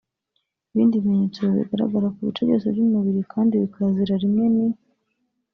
Ibindi bimenyetso bigaragara ku bice byose by’umubiri kandi bikazira rimwe ni